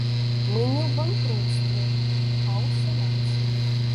Мы не ў банкруцтве, а ў санацыі.